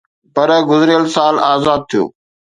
پر گذريل سال آزاد ٿيو